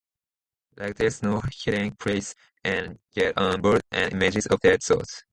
Like there's no hiding place and get on board, and images of that sort.